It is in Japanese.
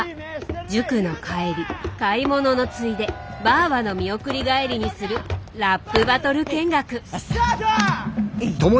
塾の帰り買い物のついでバァバの見送り帰りにするラップバトル見学。